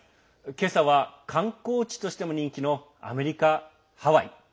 今朝は観光地としても人気のアメリカ・ハワイ。